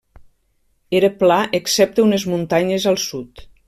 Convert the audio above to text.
Era pla excepte unes muntanyes al sud.